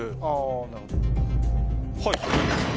はい。